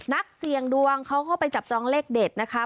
นักเสี่ยงดวงเขาก็ไปจับจองเลขเด็ดนะคะ